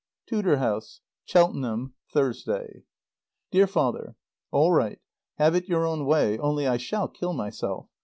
TUDOR HOUSE. CHELTENHAM, Thursday. DEAR FATHER: All right. Have it your own way. Only I shall kill myself.